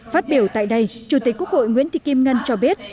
phát biểu tại đây chủ tịch quốc hội nguyễn thị kim ngân cho biết